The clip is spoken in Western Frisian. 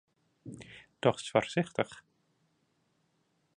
Dochst foarsichtich?